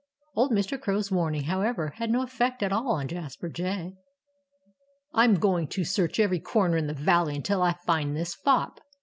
Old Mr. Crow's warning, however, had no effect at all upon Jasper Jay. "I'm going to search every corner in the valley until I find this fop.